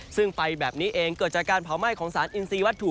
ซึ่งไฟแบบนี้เองเกิดจากการเผาไหม้ของสารอินซีวัตถุ